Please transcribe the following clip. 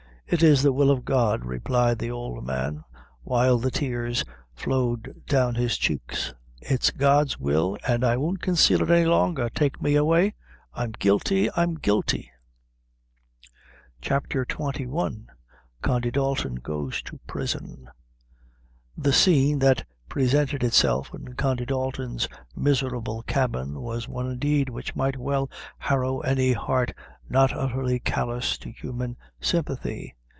"It is the will of God," replied the old man, while the tears flowed down his cheeks "it's God's will, an' I won't consale it any longer; take me away I'm guilty I'm guilty." CHAPTEE XXI. Condy Datton goes to Prison. The scene that presented itself in Condy Dalton's miserable cabin was one, indeed, which might well harrow any heart not utterly callous to human sympathy.